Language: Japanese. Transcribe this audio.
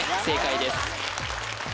正解です